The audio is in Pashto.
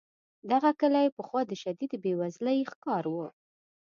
دغه کلی پخوا د شدیدې بې وزلۍ ښکار و.